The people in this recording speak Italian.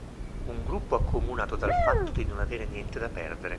Un gruppo accomunato dal fatto di non avere niente da perdere.